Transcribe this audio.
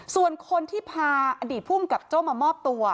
ส่วนคนที่พาอดีตภูมิกับโจ้มามอบตัว